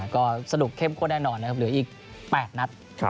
ก็สนุกเข้มข้นแน่นอนนะครับเหลืออีก๘นัด